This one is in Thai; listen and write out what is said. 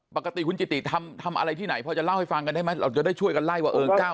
ปกติคุณจิติทำอะไรที่ไหนพอจะเล่าให้ฟังกันได้ไหมเราจะได้ช่วยกันไล่ว่า